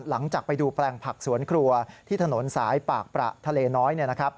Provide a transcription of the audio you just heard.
หลังจากไปดูแปลงผักสวนครัวที่ถนนสายปากประทะเลน้อย